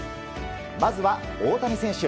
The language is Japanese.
まずは大谷選手。